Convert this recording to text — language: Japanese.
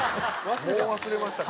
もう忘れましたか。